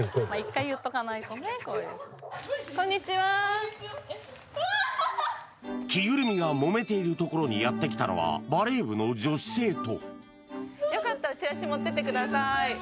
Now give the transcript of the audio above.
そう着ぐるみが揉めているところにやってきたのはバレー部の女子生徒